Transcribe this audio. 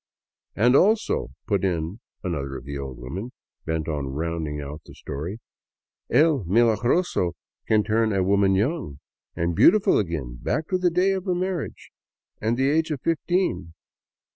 " And also," put in another of the old women, bent on rounding out the story, " El Milagroso can turn a woman young and beautiful again, back to the day of her marriage and the age of fifteen."